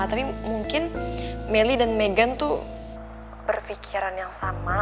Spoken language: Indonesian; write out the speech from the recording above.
tapi mungkin melly dan meghan tuh berpikiran yang sama